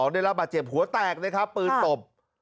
ได้รับบาดเจ็บหัวแตกปืนตบ